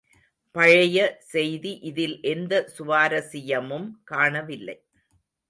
பழைய செய்தி இதில் எந்த சுவாரசியமும் காணவில்லை.